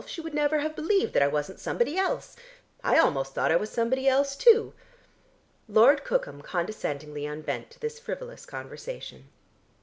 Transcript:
She would never have believed that I wasn't somebody else. I almost thought I was somebody else, too." Lord Cookham condescendingly unbent to this frivolous conversation.